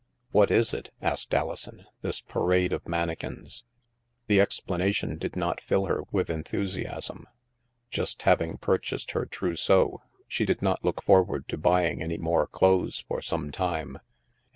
'* "What is it?" asked Alison, "this parade of mannequins ?" The explanation did not fill her with enthusiasm. Just having purchased her trousseau, • she did not look forward to buying any more clothes for some time.